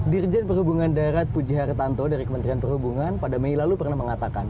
dirjen perhubungan darat puji hartanto dari kementerian perhubungan pada mei lalu pernah mengatakan